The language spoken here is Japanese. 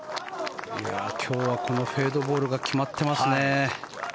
今日はこのフェードボールが決まっていますね。